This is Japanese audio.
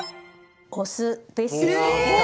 お酢です。